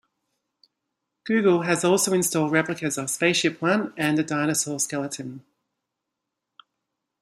Google has also installed replicas of SpaceShipOne and a dinosaur skeleton.